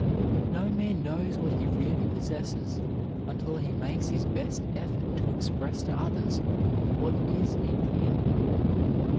No man knows what he really possesses until he makes his best effort to express to others what is in him.